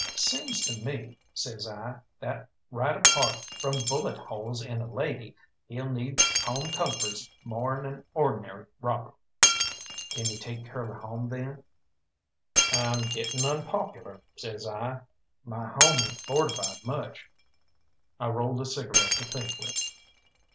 "Seems to me," says I, "that right apart from bullet holes in a lady, he'll need home comforts more'n an or'nary robber." "Kin you take Curly home, then?" "I'm getting unpopular," says I. "My home ain't fortified much." I rolled a cigarette to think with.